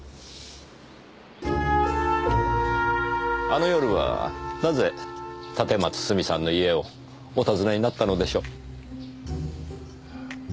あの夜はなぜ立松スミさんの家をお訪ねになったのでしょう？